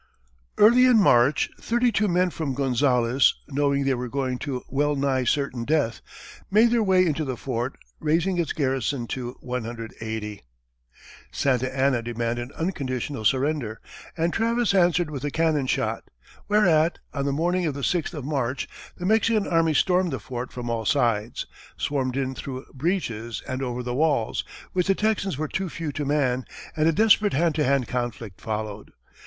Early in March, thirty two men from Gonzales, knowing they were going to well nigh certain death, made their way into the fort, raising its garrison to 180. Santa Anna demanded unconditional surrender, and Travis answered with a cannon shot; whereat, on the morning of the sixth of March, the Mexican army stormed the fort from all sides, swarmed in through breaches and over the walls, which the Texans were too few to man, and a desperate hand to hand conflict followed.